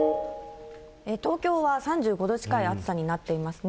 東京は３５度近い暑さになっていますね。